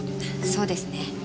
そうですね。